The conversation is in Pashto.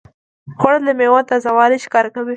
خوړل د میوې تازهوالی ښکاره کوي